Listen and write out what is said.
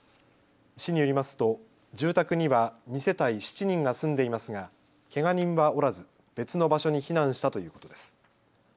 市によりますと住宅には２世帯７人が住んでいますがけが人はおらず別の場所に避難したということです。